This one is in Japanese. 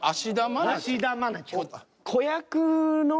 芦田愛菜ちゃん。